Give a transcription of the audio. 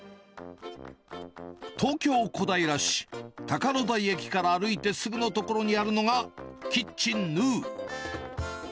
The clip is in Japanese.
東京・小平市、鷹の台駅から歩いてすぐの所にあるのが、キッチン・ヌー。